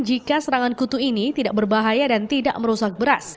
jika serangan kutu ini tidak berbahaya dan tidak merusak beras